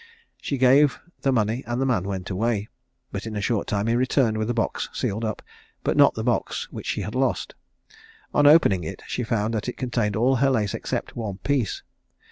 She gave the money and the man went away, but in a short time he returned with a box sealed up, but not the box which she had lost. On opening it, she found that it contained all her lace except one piece.